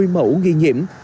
một mươi mẫu nghi nhiễm